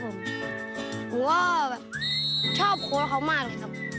ครูก็ชอบโค้ดเค้ามากครับ